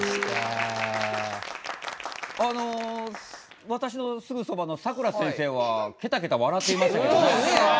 あの私のすぐそばのさくら先生はケタケタ笑っていましたけどね。